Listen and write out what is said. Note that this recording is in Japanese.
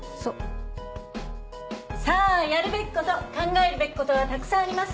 さぁやるべきこと考えるべきことはたくさんあります